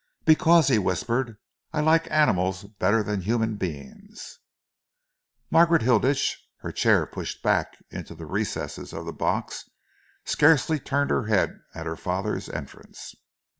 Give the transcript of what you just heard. "Because," he whispered, "I like animals better than human beings." Margaret Hilditch, her chair pushed back into the recesses of the box, scarcely turned her head at her father's entrance.